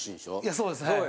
そうですはい。